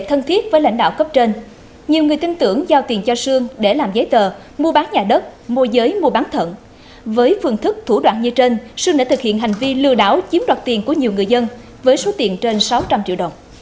hãy đăng ký kênh để ủng hộ kênh của chúng mình nhé